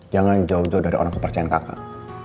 jangan jauh jauh ada orang kupercayain kakak